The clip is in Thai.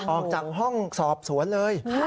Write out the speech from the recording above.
ออกจากห้องสอบสวนเลย